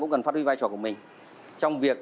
cũng cần phát huy vai trò của mình trong việc